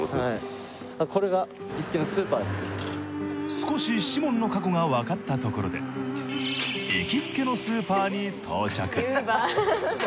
少しＳｈｉｍｏｎの過去がわかったところで行きつけのスーパーに到着。